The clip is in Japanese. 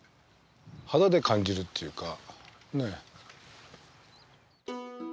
肌で感じるっていうか。